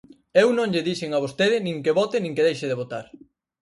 Eu non lle dixen a vostede nin que vote nin que deixe de votar.